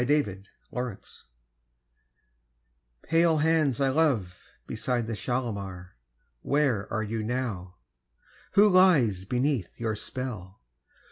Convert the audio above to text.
Kashmiri Song Pale hands I love beside the Shalimar, Where are you now? Who lies beneath your spell?